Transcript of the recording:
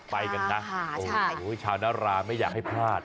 ไปกันนะโอ้โหชาวนาราไม่อยากให้พลาด